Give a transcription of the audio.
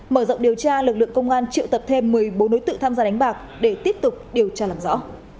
mở rộng điều tra lực lượng công an triệu tập thêm một mươi bốn đối tượng tham gia đánh bạc để tiếp tục điều tra làm rõ